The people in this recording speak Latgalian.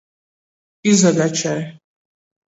Izalečei.